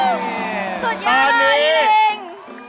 สุดยอดเลยอิลิง